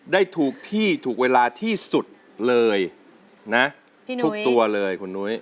ได้ถูกที่ถูกเวลาที่สุดเลยนะพี่หนุ๊ยถูกตัวเลยคุณหนุ๊ย